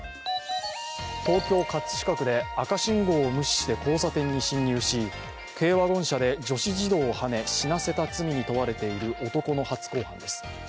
東京・葛飾区で赤信号を無視して交差点に進入し、軽ワゴン車で女子児童をはね死なせた罪に問われている男の初公判です。